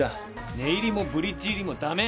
寝入りもブリッジ入りもだめ！